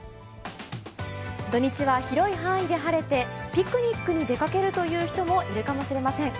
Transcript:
土日は広い範囲で晴れて、ピクニックに出かけるという人もいるかもしれません。